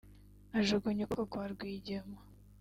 ajugunya ukuboko kwa Rwigema